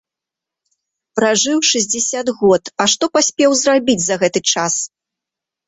Пражыў шэсцьдзесят год, а што паспеў зрабіць за гэты час?